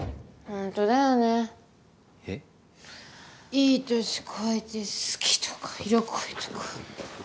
いい年こいて好きとか色恋とか。